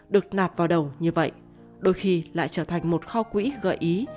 được nạp vào đầu như vậy đôi khi lại trở thành một kho quỹ gợi ý